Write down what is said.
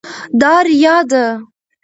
دا ریا ده.